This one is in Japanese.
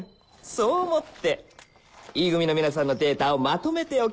そう思ってＥ組の皆さんのデータをまとめておきました